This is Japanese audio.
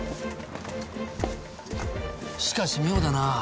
しかし妙だなあ。